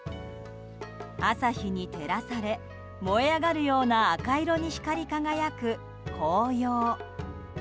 朝日に照らされ燃え上がるような赤色に光り輝く紅葉。